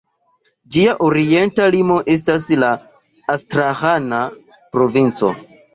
Ĝia orienta limo estas la Astraĥana provinco.